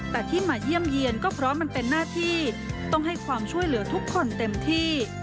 แต่ที่มาเยี่ยมเยี่ยนก็เพราะมันเป็นหน้าที่ต้องให้ความช่วยเหลือทุกคนเต็มที่